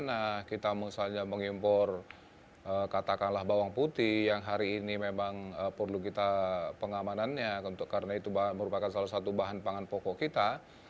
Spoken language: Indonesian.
nah kita misalnya mengimpor katakanlah bawang putih yang hari ini memang perlu kita pengamanannya karena itu merupakan salah satu bahan pangan pokok kita